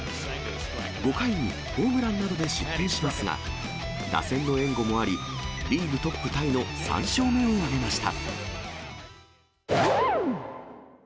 ５回にホームランなどで失点しますが、打線の援護もあり、リーグトップタイの３勝目を挙げました。